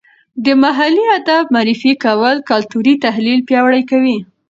د محلي ادب معرفي کول کلتوري تحلیل پیاوړی کوي.